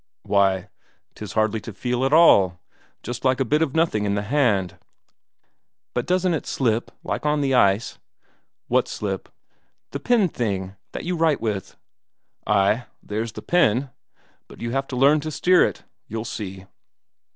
"Why, 'tis hardly to feel at all; just like a bit of nothing in the hand." "But doesn't it slip, like on the ice?" "What slip?" "The pen thing, that you write with?" "Ay, there's the pen. But you have to learn to steer it, you'll see."